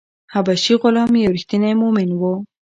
حبشي غلام یو ریښتینی مومن و.